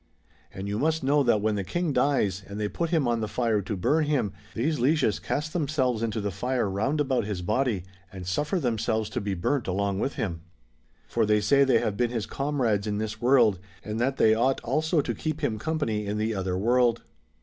And you must know that when the King dies, and they put him on the fire to burn him, these Lieges cast themselves into tlie fire round about his body, and suffer themselves to be burnt along with him. For they say they have been his comrades in this world, and that they ought also to keep him com pany in the other world.